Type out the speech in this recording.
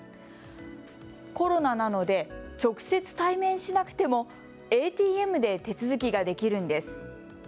コロナなので直接対面しなくてもＡＴＭで手続きができるんです。